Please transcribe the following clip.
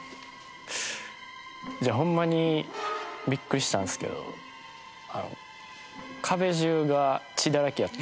ホンマにビックリしたんですけど壁中が血だらけやった。